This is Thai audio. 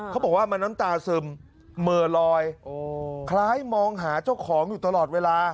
เขาบอกว่ามันน้ำตาซึมเหม่อลอยคล้ายมองหาเจ้าของอยู่ตลอดเวลา